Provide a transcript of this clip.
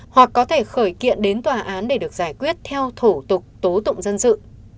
hoặc có thể khởi kiện đến tòa án để được giải quyết theo thủ tục tố tụng dân sự